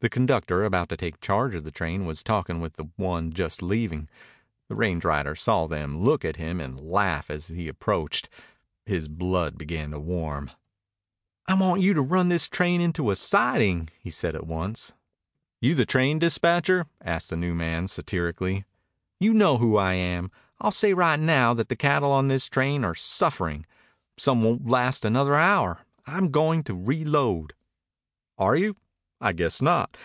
The conductor about to take charge of the train was talking with the one just leaving. The range rider saw them look at him and laugh as he approached. His blood began to warm. "I want you to run this train onto a siding," he said at once. "You the train dispatcher?" asked the new man satirically. "You know who I am. I'll say right now that the cattle on this train are suffering. Some won't last another hour. I'm goin' to reload." "Are you? I guess not.